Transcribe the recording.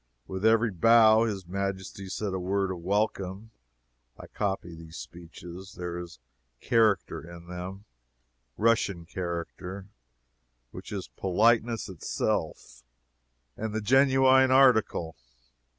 With every bow, his Majesty said a word of welcome. I copy these speeches. There is character in them Russian character which is politeness itself, and the genuine article.